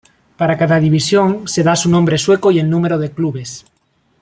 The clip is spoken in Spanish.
Para cada división, se da su nombre sueco y el número de clubes.